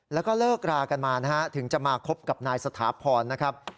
แล้วก็เลิกรากันมานะฮะถึงจะมาคบกับนายสถาพรนะครับ